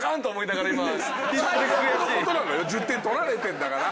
１０点取られてるんだから。